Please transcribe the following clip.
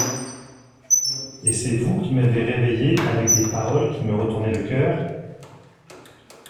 Et c'est vous qui m'avez reveillée avec des paroles qui me retournaient le coeur.